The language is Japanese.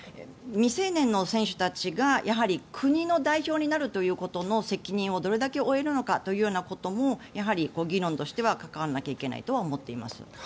未成年の選手たちがやはり国の代表になるということの責任をどれだけ負えるのかということもやはり議論としては関わらなければいけないと思っています。